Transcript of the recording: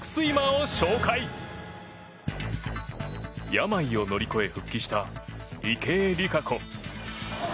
病を乗り越え復帰した池江璃花子。